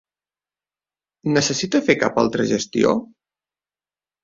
Necessita fer cap altra gestió?